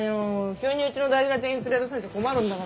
急にうちの大事な店員連れ出されちゃ困るんだからね。